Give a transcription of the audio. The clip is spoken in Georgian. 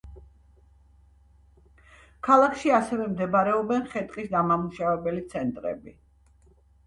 ქალაქში ასევე მდებარეობენ ხე-ტყის გადამამუშავებელი ცენტრები.